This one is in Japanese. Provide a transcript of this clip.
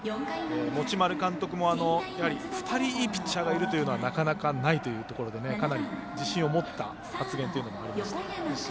持丸監督も２人いいピッチャーがいるということはなかなかないということでかなり、自信を持った発言というのもありました。